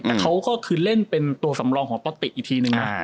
แต่เขาก็คือเล่นเป็นตัวสำรองของตะติกอีกทีนึงนะ